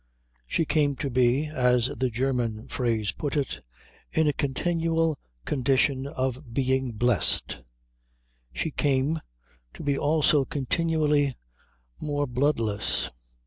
She came to be, as the German phrase put it, in a continual condition of being blest. She came to be also continually more bloodless.